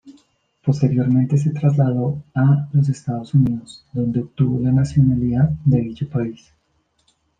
Posteriormente se trasladó a los Estados Unidos, donde obtuvo la nacionalidad de dicho país.